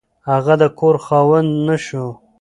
هغه د کور خاوند نه شو.